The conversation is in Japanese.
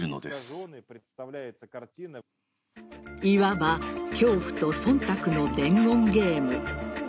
いわば恐怖と忖度の伝言ゲーム。